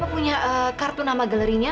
punya kartu nama galerinya